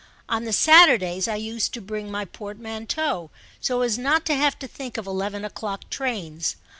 On the Saturdays I used to bring my portmanteau, so as not to have to think of eleven o'clock trains.